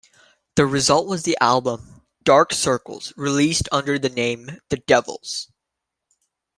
The result was the album "Dark Circles," released under the name The Devils.